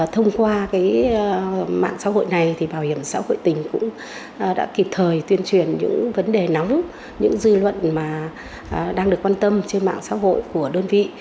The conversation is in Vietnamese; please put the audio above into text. thông qua mạng xã hội này thì bảo hiểm xã hội tỉnh cũng đã kịp thời tuyên truyền những vấn đề nóng lúc những dư luận mà đang được quan tâm trên mạng xã hội của đơn vị